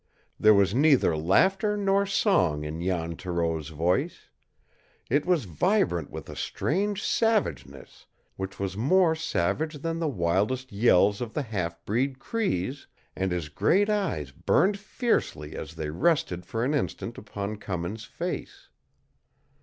There was neither laughter nor song in Jan Thoreau's voice. It was vibrant with a strange savageness which was more savage than the wildest yells of the half breed Crees, and his great eyes burned fiercely as they rested for an instant upon Cummins' face.